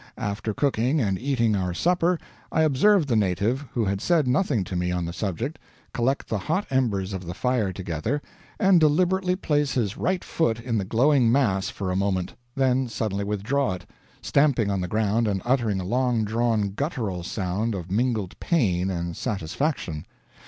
After cooking and eating our supper, I observed the native, who had said nothing to me on the subject, collect the hot embers of the fire together, and deliberately place his right foot in the glowing mass for a moment, then suddenly withdraw it, stamping on the ground and uttering a long drawn guttural sound of mingled pain and satisfaction.